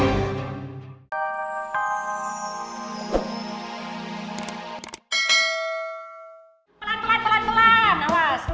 pelan pelan pelan pelan awas